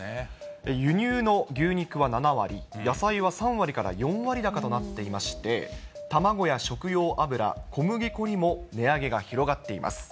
輸入の牛肉は７割、野菜は３割から４割高となっていまして、卵や食用油、小麦粉にも値上げが広がっています。